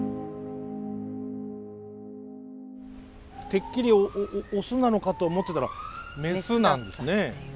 てっきりオスなのかと思ってたらメスなんですね。